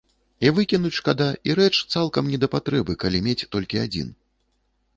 І выкінуць шкада, і рэч цалкам не да патрэбы, калі мець толькі адзін.